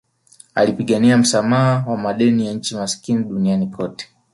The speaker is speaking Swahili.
Alipigania msamaha wa madeni ya nchi maskini duniani kote